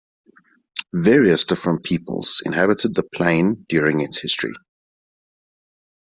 Various different peoples inhabited the plain during its history.